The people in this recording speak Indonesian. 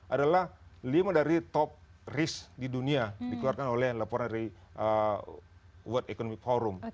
adalah lima dari top risk di dunia dikeluarkan oleh laporan dari world economic forum